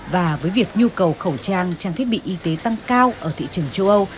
và với việc nhu cầu khẩu trang trang thiết bị y tế tăng cao ở thị trường châu âu